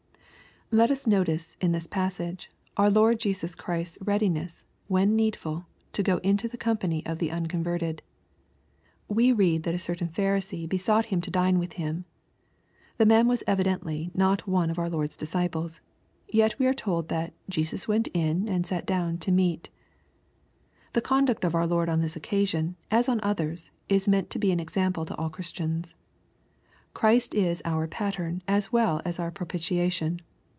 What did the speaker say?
Let us notice in this passage, our Lord Jesus Christ's readiness, when needful, to go into the company of the unconverted. We read that ''a certain Pharisee besought him to dine with him." The man was evidently not one of our Lord's disciples. Yet we are told that "Jesus went in and sat down to meat." The conduct of our Lord on this occasion, as on others, is meant to be an example to all Christians. Ciirist is our pattern as well as our propitiation.